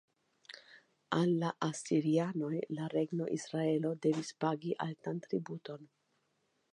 Al la asirianoj la regno Izraelo devis pagi altan tributon.